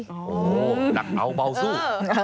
โอ้โฮนักราวเบาสู้